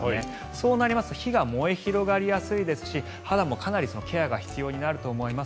そうなりますと火が燃え広がりやすいですし肌もかなりケアが必要になると思います。